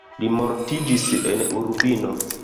Li mortiĝis en Urbino.